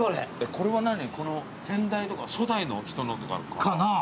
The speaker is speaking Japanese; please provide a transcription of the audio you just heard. これは何先代とか初代の人のとかかな。